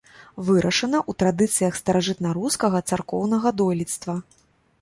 Вырашана ў традыцыях старажытнарускага царкоўнага дойлідства.